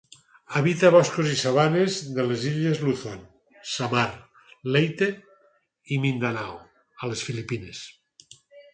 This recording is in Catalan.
Habita boscos i sabanes de les illes Luzon, Samar, Leyte i Mindanao, a les Filipines.